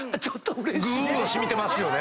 ぐんぐん染みてますよね。